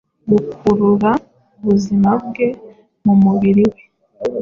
Gukurura ubuzima bwe mu mubiri we